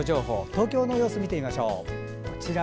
東京の様子を見てみましょう。